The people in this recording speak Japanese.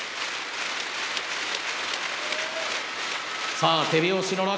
さぁ手拍子の中。